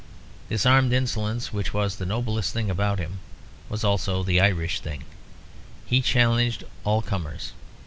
This armed insolence, which was the noblest thing about him, was also the Irish thing; he challenged all comers.